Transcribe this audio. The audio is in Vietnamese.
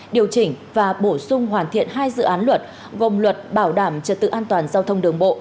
điều chỉnh và bổ sung hoàn thiện hai dự án luật gồm luật bảo đảm trật tự an toàn giao thông đường bộ